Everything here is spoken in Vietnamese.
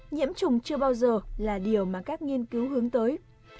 nhiễm trùng chưa bao giờ là điều mà các nghiên cứu hướng tới